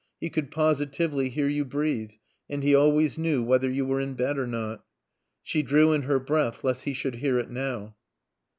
He could positively hear you breathe, and he always knew whether you were in bed or not. She drew in her breath lest he should hear it now.